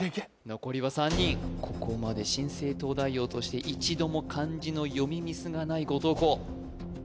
残りは３人ここまで新生東大王として一度も漢字の読みミスがない後藤弘